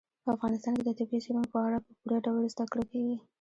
په افغانستان کې د طبیعي زیرمو په اړه په پوره ډول زده کړه کېږي.